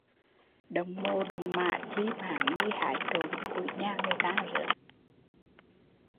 Động mồ động mả chi mà hắn đi hái trộm ổi nhà người ta